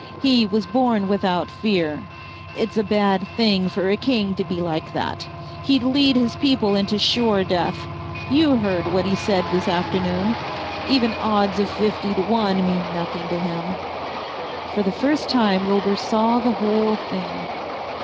He was born without fear. It's a bad thing for a king to be like that. He'd lead his people into sure death. You heard what he said this afternoon. Even odds of fifty to one mean nothing to him." For the first time Wilbur saw the whole thing.